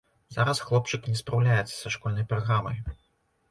Зараз хлопчык не спраўляецца са школьнай праграмай.